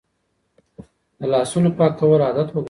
د لاسونو پاکول عادت وګرځوئ.